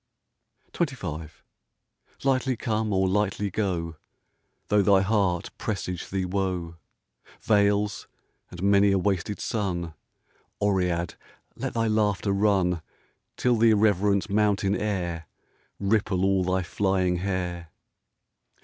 XXV Lightly come or lightly go : Though thy heart presage thee woe, Vales and many a wasted sun, Oread let thy laughter run Till the irreverent mountain air Ripple all thy flying hair.